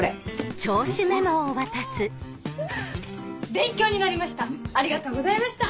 勉強になりました